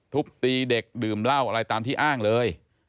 ทุบตีเด็กดื่มเหล้าอะไรตามที่อ้างเลย